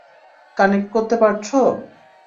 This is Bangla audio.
কানেক্ট করতে পারছো?